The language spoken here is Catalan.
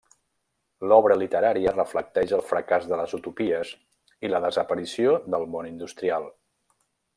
L'obra literària reflecteix el fracàs de les utopies i la desaparició del món industrial.